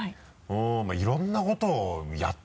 いろんなことをやった。